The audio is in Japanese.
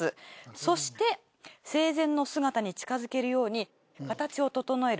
そして生前の姿に近づけるように形を整える。